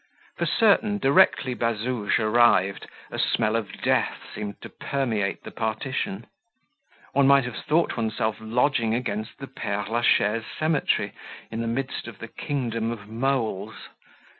For certain, directly Bazouge arrived, a smell of death seemed to permeate the partition. One might have thought oneself lodging against the Pere Lachaise cemetery, in the midst of the kingdom of moles.